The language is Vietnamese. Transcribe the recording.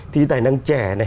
thi tài năng trẻ